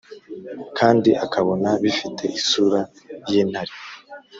kandi akabona bifite isura y'intare.